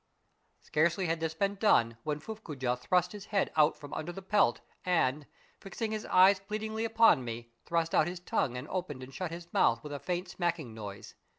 Scarcely had this been done when Fuffcoojah thrust his head out from under the pelt and, fixing his eyes pleadingly upon me, thrust out his tongue and opened and shut his mouth with a faint, smacking noise.